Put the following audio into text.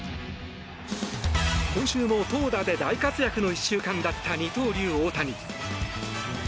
今週も投打で大活躍の１週間だった二刀流、大谷。